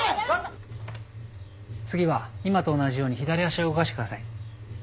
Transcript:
次は今と同じように左足を動かしてください。